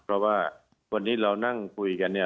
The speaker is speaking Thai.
เพราะว่าวันนี้เรานั่งคุยกันเนี่ย